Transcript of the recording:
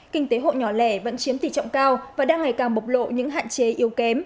kinh tế hộ nhỏ lẻ vẫn chiếm tỷ trọng cao và đang ngày càng bộc lộ những hạn chế yếu kém